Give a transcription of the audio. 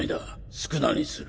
宿儺にする。